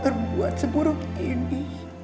terbuat seburuk ini